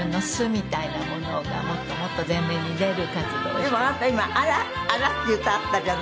でもあなた今「アラアラ」っていう歌あったじゃない。